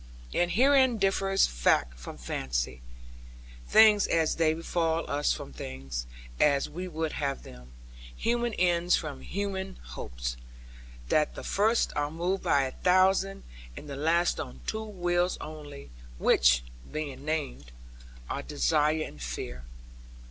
And herein differs fact from fancy, things as they befall us from things as we would have them, human ends from human hopes; that the first are moved by a thousand and the last on two wheels only, which (being named) are desire and fear.